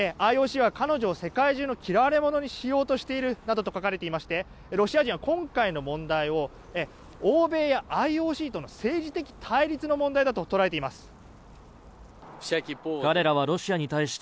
ＩＯＣは彼女を世界中の嫌われものにしようとしていると書かれていましてロシア人は今回の問題を欧米やＩＯＣとの政治的対立の問題だと捉えています。